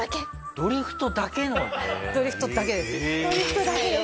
ドリフトだけです！